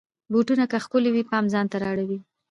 بوټونه که ښکلې وي، پام ځان ته را اړوي.